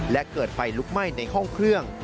และเกิดไฟลุกไหม้ในห้องเครื่อง